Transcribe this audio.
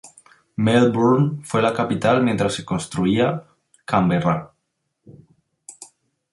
Melbourne fue la capital mientras se construía Canberra.